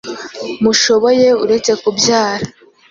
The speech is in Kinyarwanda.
mushoboye uretse kubyara.